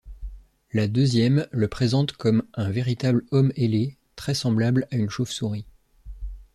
La deuxième le présente comme un véritable homme ailé, très semblable à une chauve-souris.